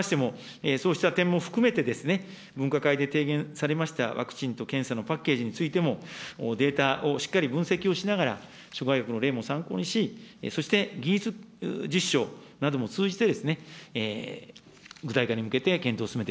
いずれにしましても、そうした点も含めて、分科会で提言されました、ワクチンと検査のパッケージについても、データをしっかり分析をしながら、諸外国の例も参考にし、そして技術実証なども通じて、具体化に向けて検討を進めて